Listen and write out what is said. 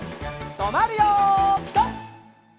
とまるよピタ！